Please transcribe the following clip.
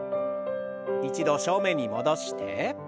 一度正面に戻して。